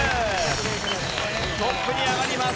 トップに上がります。